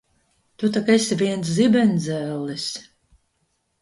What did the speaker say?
Tu tak esi viens zibenzellis!